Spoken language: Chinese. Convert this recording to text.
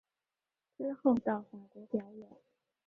之后到法国表演。